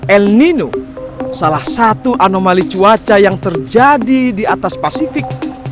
el nino salah satu anomali cuaca yang terjadi di atas pasifik